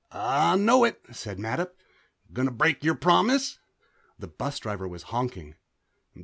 "I know it," said Mattup. "Gonna break your promise?" The bus driver was honking.